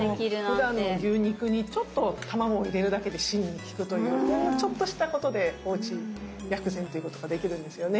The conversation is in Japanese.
でもふだんの牛肉にちょっと卵を入れるだけで心に効くというほんのちょっとしたことでおうち薬膳ということができるんですよね。